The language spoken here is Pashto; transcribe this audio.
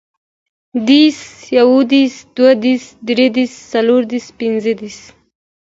دېرس, یودېرس, دودېرس, درودېرس, څلوردېرس, پنځهدېرس